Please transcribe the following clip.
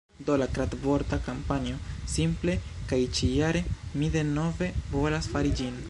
Do, la kradvorta kampanjo simple kaj ĉi-jare mi denove volas fari ĝin